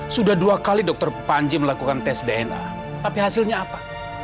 sudah dua kali dokter panji melakukan tes dna tapi hasilnya apa